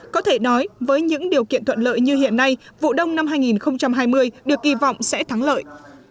có thể nói với những điều kiện thuận lợi như hiện nay vụ đông năm hai nghìn hai mươi được kỳ vọng sẽ thắng lợi